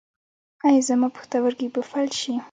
ایا زما پښتورګي به فلج شي؟